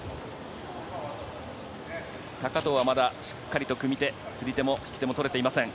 高藤はまだしっかりと組み手、釣り手、引き手も取れていません。